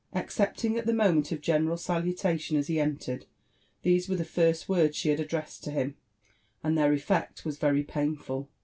Excepting at the moment of general salutation as he entered, these were the first words she had addressed to him, and their effect was very painful.